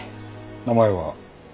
名前は？